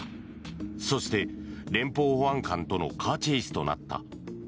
そして、連邦保安官とのカーチェイスとなった。